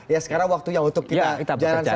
ya sekarang waktunya untuk kita jalan sama sama